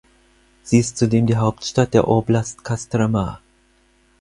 Sie ist zudem die Hauptstadt der Oblast Kostroma.